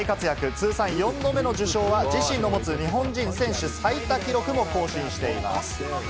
通算４度目の受賞は自身の持つ日本人選手最多記録も更新しています。